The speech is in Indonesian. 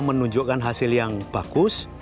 menunjukkan hasil yang bagus